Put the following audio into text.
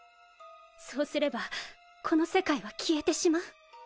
そうすればこの世界は消えてしまう。